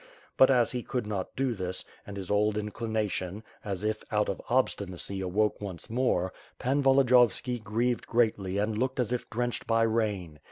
But, as he could not do this and his old inclina 526 "^^TH FIRE AND SWORD. tion, as if out of obstinacy awoke once more, Pan Volodiyov ski grieved greatly and looked as if drenched by rain.